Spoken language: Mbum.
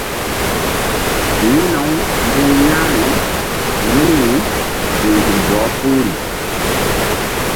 Yi̧hna-u mbu̧h ya̧hri yi̧nri ke nzuk bɔh puhri.